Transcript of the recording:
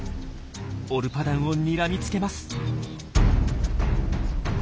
オルパダンをにらみつけます。